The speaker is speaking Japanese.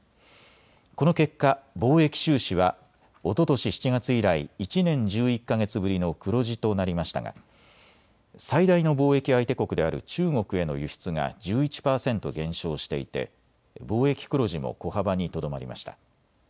この結果、貿易収支はおととし７月以来、１年１１か月ぶりの黒字となりましたが最大の貿易相手国である中国への輸出が１１％減少していて貿易黒字も小幅にとどまりました。